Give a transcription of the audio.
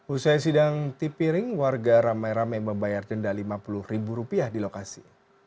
usai sidang tipiring warga rame rame membayar jendela rp lima puluh di lokasi